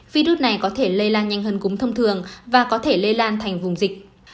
virus này có thể lây lan nhanh hơn cúm thông thường và có thể lây lan thành vùng dịch